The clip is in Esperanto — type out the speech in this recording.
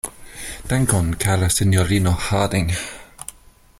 Dankon, kara sinjorino Harding.